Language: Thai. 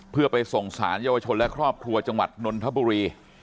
เพื่อไปส่งสารเยาวชนและครอบครัวจังหวัดนนทบุรี